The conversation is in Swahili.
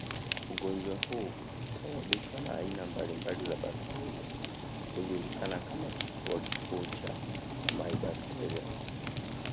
Ugonjwa huu husababishwa na aina mbalimbali za bakteria hujulikana kama kifua kikuu cha mybacterium